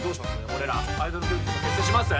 俺らアイドルグループとか結成します？